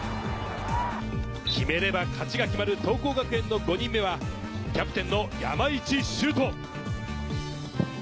決めれば勝ちが決まる桐光学園の５人目はキャプテンの山市秀翔。